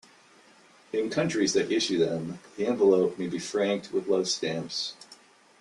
In countries that issue them, the envelope may be franked with love stamps.